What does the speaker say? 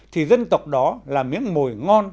thì dân tộc đó là miếng mồi ngon